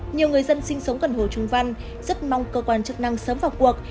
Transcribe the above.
nhiều người dân sinh sống gần hồ trung văn rất mong cơ quan chức năng sớm vào cuộc